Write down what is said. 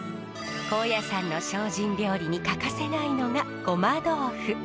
高野山の精進料理に欠かせないのがごま豆腐。